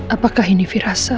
apakah ini firasat